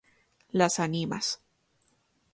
Las Animas.